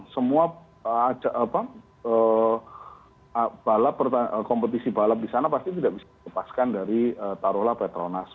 semua kompetisi balap di sana pasti tidak bisa di lepaskan dari tarola petronas